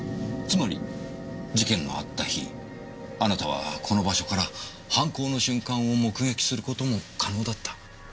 つまり事件のあった日あなたはこの場所から犯行の瞬間を目撃する事も可能だった。